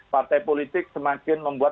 partai politik semakin membuat